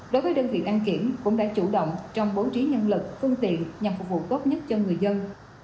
đối với đơn vị đăng kiểm cũng đã chủ động trong bố trí nhân lực phương tiện nhằm phục vụ tốt nhất cho người dân